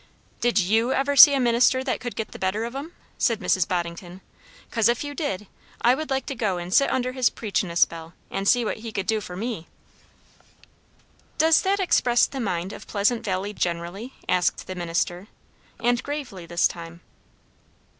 "Did you ever see a minister that could get the better of 'em?" said Mrs. Boddington. "'Cos, if you did, I would like to go and sit under his preachin' a spell, and see what he could do for me." "Does that express the mind of Pleasant Valley generally?" asked the minister, and gravely this time.